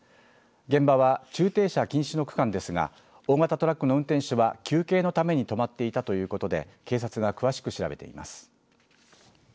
現場は、駐停車禁止の区間ですが大型トラックの運転手は休憩のために止まっていたということで警察が詳しく調べています。